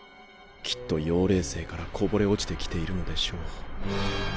きっと妖霊星から溢れ落ちて来ているのでしょう。